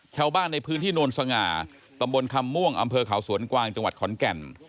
ชาวบ้านในพื้นที่โนนสง่าตำบลคำม่วงอำเภอเขาสวนกวางจังหวัดขอนแก่น